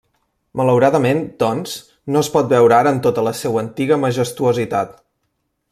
Malauradament, doncs, no es pot veure ara en tota la seua antiga majestuositat.